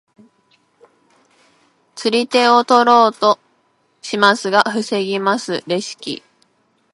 釣り手を取ろうとしますが防ぎますレシキ。